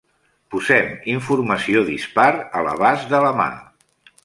Posem informació dispar a l'abast de la mà.